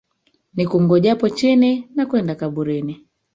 Nikungojapo chini, nakwenda kaburini